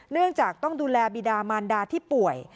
เนื่องจากต้องดูแลบีดามานดาที่ป่วย